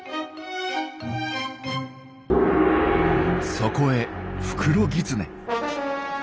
そこへフクロギツネ。